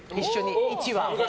１話。